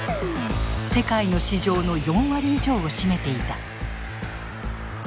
世界の市場の４割以上を占めていた。